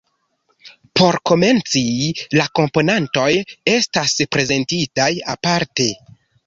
Por komenci, la komponantoj estas prezentitaj aparte.